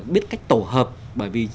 biết cách tổ hợp bởi vì